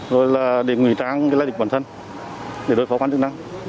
rồi là để ngủy tráng cái lái địch bản thân để đối phó quan trọng năng